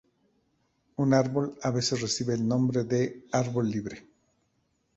Un árbol a veces recibe el nombre de "árbol libre".